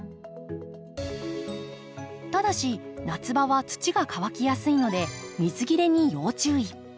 ただし夏場は土が乾きやすいので水切れに要注意。